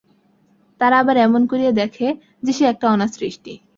তারা আবার এমন করিয়া দেখে যে সে একটা অনাসৃষ্টি।